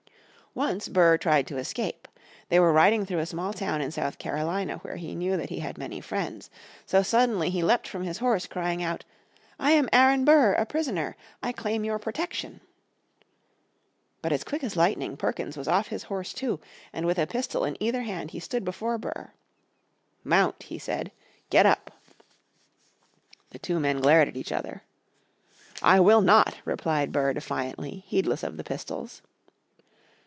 Once Burr tried to escape. They were riding through a small town in South Carolina where he knew that he had many friends. So suddenly he leapt from his horse crying out, "I am Aron Burr, a prisoner. I claim your protection." But as quick as lightning Perkins was off his horse too, and with a pistol in either hand he stood before Burr. "Mount," he said; "get up." The two men glared at each other. "I will not," replied Burr defiantly, heedless of the pistols.